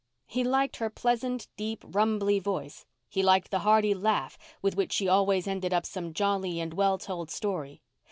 He liked her pleasant, deep, rumbly voice; he liked the hearty laugh with which she always ended up some jolly and well told story.